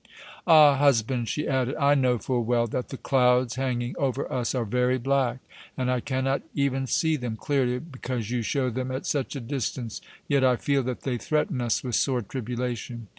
"Ah! husband," she added, "I know full well that the clouds hanging over us are very black, and I cannot even see them clearly, because you show them at such a distance. Yet I feel that they threaten us with sore tribulation.